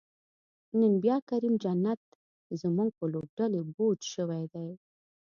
نن بیا کریم جنت زمونږ په لوبډلی بوج شوی دی